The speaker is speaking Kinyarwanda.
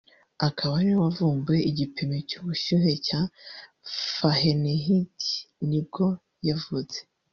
akaba ariwe wavumbuye igipimo cy’ubushyuhe cya Fahrenheit ni bwo yavutse